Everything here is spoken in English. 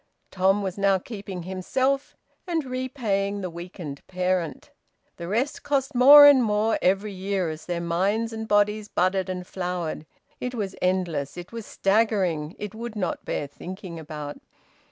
Tom was now keeping himself and repaying the weakened parent. The rest cost more and more every year as their minds and bodies budded and flowered. It was endless, it was staggering, it would not bear thinking about.